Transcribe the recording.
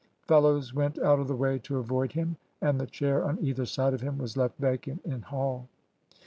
Fellows went out of the way to avoid him; and the chair on either side of him was left vacant in Hall.